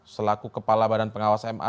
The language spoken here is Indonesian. selaku kepala badan pengawas ma